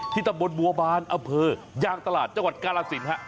ที่ตำบลบัวบานอเภอยางตลาดจังหวัดกาลังศิลป์